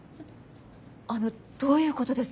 あのどういうことですか？